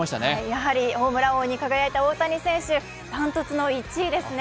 やはりホームラン王に輝いた大谷選手、断トツの１位ですね。